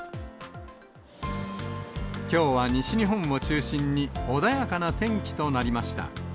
きょうは西日本を中心に、穏やかな天気となりました。